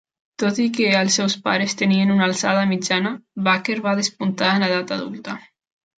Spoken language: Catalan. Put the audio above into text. Tot i que els seus pares tenien una alçada mitjana, Baker va despuntar en edat adulta.